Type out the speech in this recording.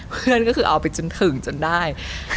เพื่อนก็คือเอาไปจนถึงจนได้